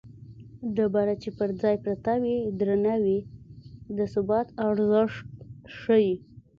ډبره چې پر ځای پرته وي درنه وي د ثبات ارزښت ښيي